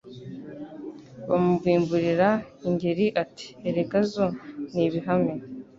Bamubimburira IngeriAti erega zo ni ibihame